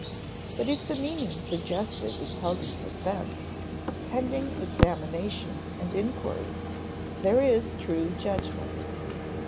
But if the meaning suggested is held in suspense, pending examination and inquiry, there is true judgment.